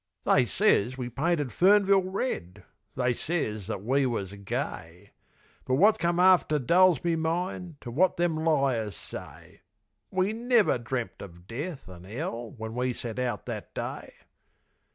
They ses we painted Fernville red; They ses that we was gay; But wot come after dull's me mind To wot them liars say. We never dreamed of death an' 'ell When we set out that day.